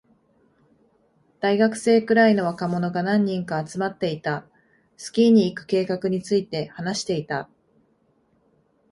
大学生くらいの若者が何人か集まっていた。スキーに行く計画について話していた。